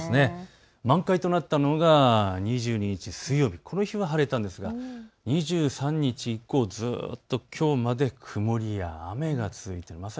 満開となったのが２２日水曜日、この日は晴れたんですが２３日以降、ずっときょうまで曇りや雨が続いています。